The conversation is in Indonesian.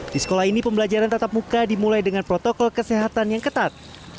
di sekolah ini pembelajaran tatap muka dimulai dengan protokol kesehatan yang ketat